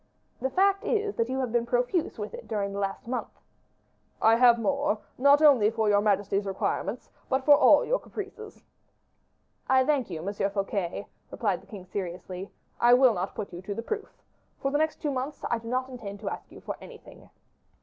"The fact is that you have been profuse with it during the last month." "I have more, not only for all your majesty's requirements, but for all your caprices." "I thank you, Monsieur Fouquet," replied the king, seriously. "I will not put you to the proof. For the next two months I do not intend to ask you for anything."